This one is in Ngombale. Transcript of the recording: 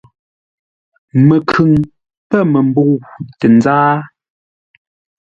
Məkhʉŋ pə̂ məmbə̂u tə nzáa.